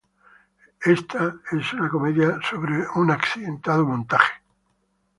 Esta es una comedia acerca de un accidentado montaje.